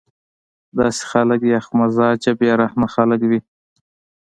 داسې خلک يخ مزاجه بې رحمه خلک وي